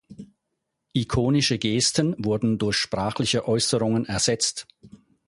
Ikonische Gesten wurden durch sprachliche Äußerungen ersetzt.